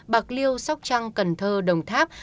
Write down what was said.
bạc liêu sóc trăng cần thơ đồng tháp